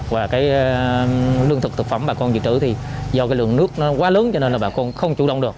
và cái lương thực thực phẩm bà con dự trữ thì do cái lượng nước quá lớn cho nên là bà con không chủ động được